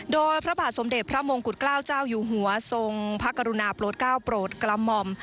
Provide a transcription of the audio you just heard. โดยพระบาทสมเด็จพระมงกุฎเกล้าเจ้าอยู่หัวทรงพระกรุณาโปรดก้าวโปรดกระหม่อม